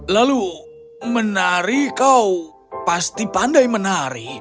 lalu menari kau pasti pandai menari